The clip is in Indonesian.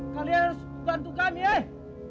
kalian bantu kami eh